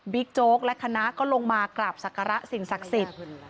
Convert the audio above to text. บิ๊กโจ๊กและคณะก็ลงมากราบศักราศิลป์ศักดิ์ศักดิ์สิทธิ์